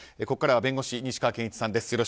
ここからは弁護士西川研一さんです。